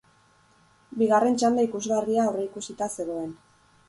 Bigarren txanda ikusgarria aurreikusita zegoen.